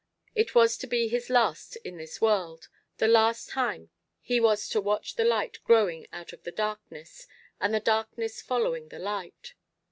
It was to be his last in this world; the last time he was to watch the light growing out of the darkness and the darkness following the light.